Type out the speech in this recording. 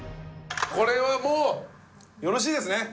これはもうよろしいですね？